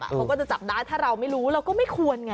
เขาก็จะจับได้ถ้าเราไม่รู้เราก็ไม่ควรไง